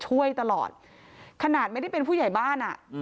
ช่วยตลอดขนาดไม่ได้เป็นผู้ใหญ่บ้านอ่ะ